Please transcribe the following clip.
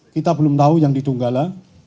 kita belum tahu yang di tunggala